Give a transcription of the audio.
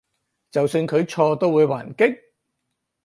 就算佢錯都會還擊？